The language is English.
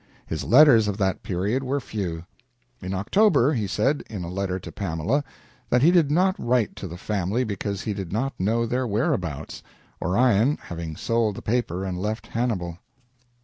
His letters of that period were few. In October he said, in a letter to Pamela, that he did not write to the family because he did not know their whereabouts, Orion having sold the paper and left Hannibal.